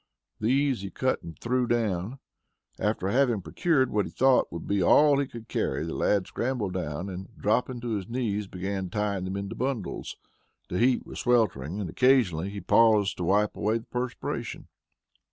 These he cut and threw down. After having procured what he thought would be all he could carry the lad scrambled down, and, dropping on his knees began tying them into bundles. The heat was sweltering, and occasionally be paused to wipe away the perspiration.